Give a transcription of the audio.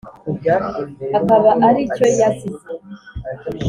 akaba ari cyo yazize,